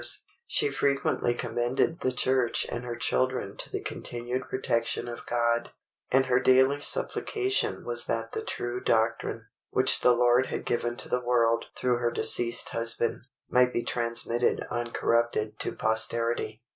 She frequently commended the Church and her children to the continued protection of God, and her daily supplication was that the true doctrine, which the Lord had given to the world through her deceased husband, might be transmitted uncorrupted to posterity.